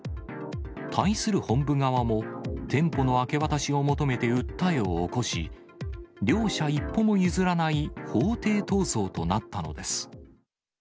対する本部側も、店舗の明け渡しを求めて訴えを起こし、両者一歩も譲らない法廷闘争となったのです。